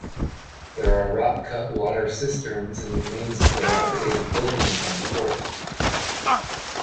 There are rock cut water cisterns and remains of dilapidated buildings on the fort.